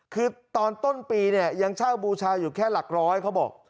คือตอนต้นปีเนี่ยยังเช่าบูชาอยู่แค่หลักร้อยเขาบอก